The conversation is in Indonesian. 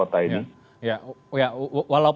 kita sudah mengingatkan bahwa